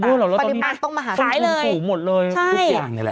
ปฏิบัติต้องมาหาคุณสูงหมดเลยทุกอย่างนี่แหละ